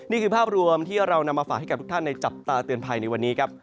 นี่คือภาพรวมที่เรานำมาฝากให้กับทุกท่านในจับตาเตือนภัยในวันนี้ครับ